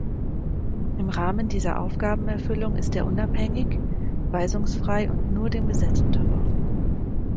Im Rahmen dieser Aufgabenerfüllung ist er unabhängig, weisungsfrei und nur dem Gesetz unterworfen.